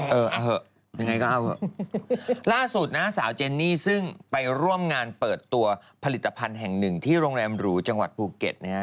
เออเอาเถอะยังไงก็เอาเถอะล่าสุดนะสาวเจนนี่ซึ่งไปร่วมงานเปิดตัวผลิตภัณฑ์แห่งหนึ่งที่โรงแรมหรูจังหวัดภูเก็ตนะฮะ